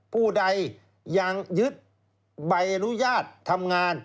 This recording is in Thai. ผู้ใดยังยึดใบอนุญาตทำงาน